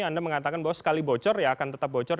anda mengatakan bahwa sekali bocor ya akan tetap bocor